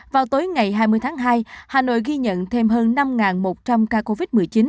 vào tối ngày hai mươi tháng hai hà nội ghi nhận thêm hơn năm một trăm linh ca covid một mươi chín